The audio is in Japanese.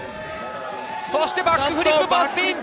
そして、バックフリップバースピン。